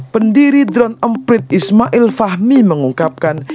pendiri drone om preet ismail fahmi mengungkapkan